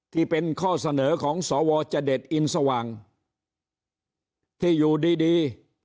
ที่เป็นข้อเสนอของสวจเด็ดอินสว่างที่อยู่ดีดี